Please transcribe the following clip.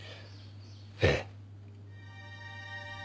ええ。